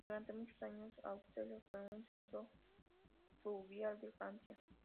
Durante muchos años, Auxerre fue un centro fluvial de Francia.